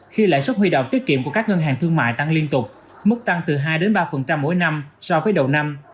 khi lãi suất huy động tiết kiệm của các ngân hàng thương mại tăng liên tục mức tăng từ hai ba mỗi năm so với đầu năm